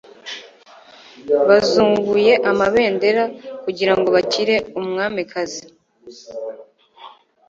Bazunguye amabendera kugirango bakire umwamikazi